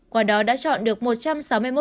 qua đó đã chọn được một trăm sáu mươi một